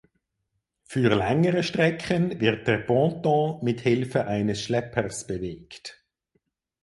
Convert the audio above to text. Für längere Strecken wird der Ponton mithilfe eines Schleppers bewegt.